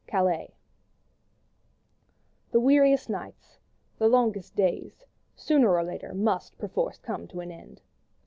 CALAIS The weariest nights, the longest days, sooner or later must perforce come to an end.